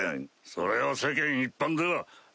それを世間一般では。